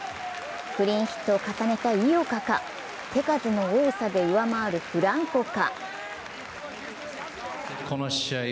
クリーンヒットを重ねた井岡か、手数の多さで上回るフランコか？